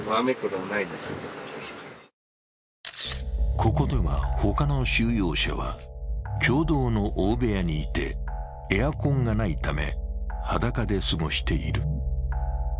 ここでは他の収容者は共同の大部屋にいて、エアコンがないため裸で過ごしている。